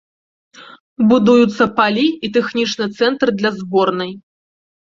Будуюцца палі і тэхнічны цэнтр для зборнай.